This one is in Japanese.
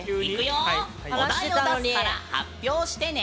お題を出すから発表してね。